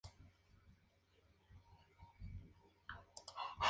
Sus bayas, consumidas por niños, provocan vómito, diarreas y convulsiones.